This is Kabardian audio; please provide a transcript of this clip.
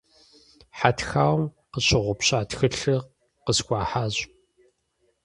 Хьэтхауэм къыщыгъупща тхылъыр къысхуахьащ.